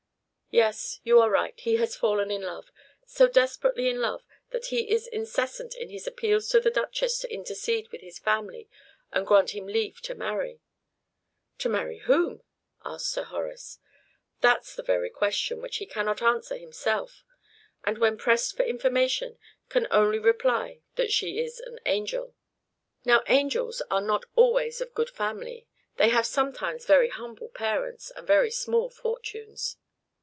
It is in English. "Yes, you are right; he has fallen in love, so desperately in love that he is incessant in his appeals to the Duchess to intercede with his family and grant him leave to marry." "To marry whom?" asked Sir Horace. "That's the very question which he cannot answer himself; and when pressed for information, can only reply that 'she is an angel.' Now, angels are not always of good family; they have sometimes very humble parents, and very small fortunes."